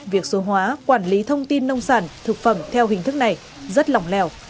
việc số hóa quản lý thông tin nông sản thực phẩm theo hình thức này rất lỏng lẻo